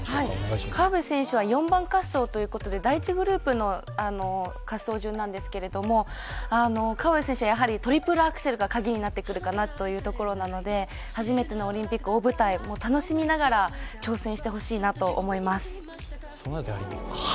４番滑走ということで第１グループの滑走なんですけど河辺選手はトリプルアクセルがカギになってくるかなというところなので、初めてのオリンピック、大舞台、楽しみながら挑戦してほしいなと思います。